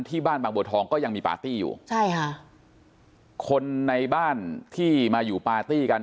ที่บ้านบางบัวทองก็ยังมีปาร์ตี้อยู่ใช่ค่ะคนในบ้านที่มาอยู่ปาร์ตี้กัน